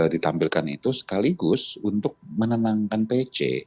ditampilkan itu sekaligus untuk menenangkan pc